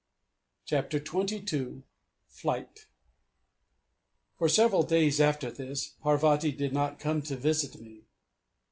CHAPTER XXII FLIGHT For several days after this Parvati did not come to visit me.